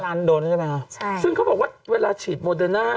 ล้านโดสใช่ไหมคะใช่ซึ่งเขาบอกว่าเวลาฉีดโมเดอร์น่า